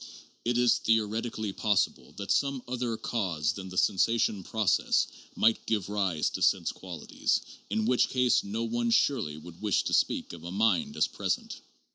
It is theoretically possible that some other cause than the sensation process might give rise to sense qualities, in which case no one surely would wish to speak of a mind as present.